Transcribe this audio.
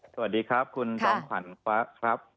สวัสดีครับคุณจอมขวัญฟ้าครับ